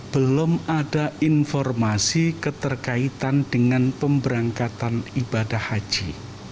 belum ada informasi keterkaitan dengan pemberangkatan ibadah haji